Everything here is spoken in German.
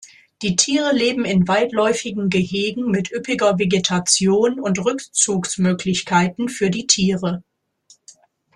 Die Tiere leben in weitläufigen Gehegen mit üppiger Vegetation und Rückzugsmöglichkeiten für die Tiere.